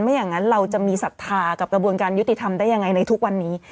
อย่างนั้นเราจะมีศรัทธากับกระบวนการยุติธรรมได้ยังไงในทุกวันนี้